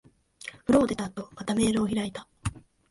風呂を出た後、またメールを開いた。